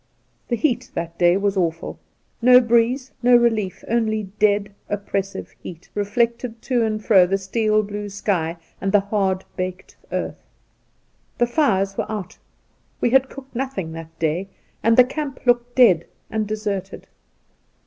The heat that day was awful. No breeze, no relief— only dead, oppressive heat, reflected to and fro the steel blue sky and the hard baked earth. The fires were out — we had cooked nothing that day — ^^and the camp looked dead and deserted.